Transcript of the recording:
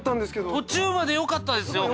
途中までよかったですよ。